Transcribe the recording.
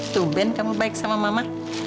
tuh ben kamu baik sama mama